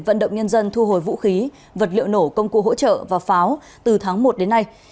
vận động nhân dân thu hồi vũ khí vật liệu nổ công cụ hỗ trợ và pháo từ tháng một đến nay